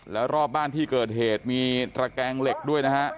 แล้วรอบบ้านที่เกิดเหตุมีตระแกงเหล็กด้วยนะฮะ